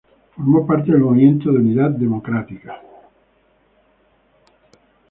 Formó parte del Movimiento de Unidad Democrática.